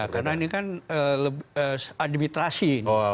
karena ini kan administrasi